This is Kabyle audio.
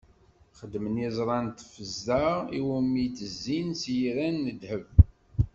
Xedmen iẓra n tefza iwumi i d-zzin s yiran n ddheb.